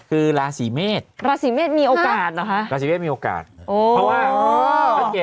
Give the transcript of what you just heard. คือมีโอกาสนะมีโอกาสเพราะว่า